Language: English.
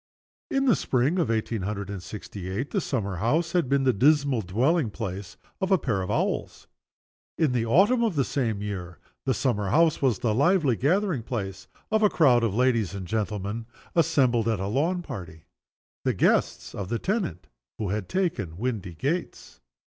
In the spring of eighteen hundred and sixty eight the summer house had been the dismal dwelling place of a pair of owls. In the autumn of the same year the summer house was the lively gathering place of a crowd of ladies and gentlemen, assembled at a lawn party the guests of the tenant who had taken Windygates.